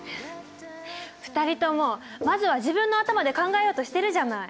２人ともまずは自分の頭で考えようとしてるじゃない。